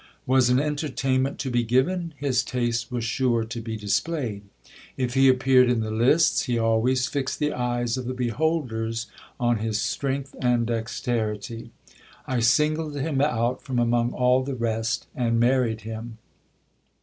Was an entertainment to be given ? His taste was sure to be displayed. If he appeared in the lists, he always fixed the eyes of the beholders on his strength and dexterity. I singled him out from among all the rest, and married him.